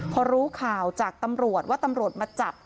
พอรู้ข่าวจากตำรวจว่าตำรวจมาจับ